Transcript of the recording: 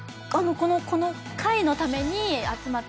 この会のために集まって。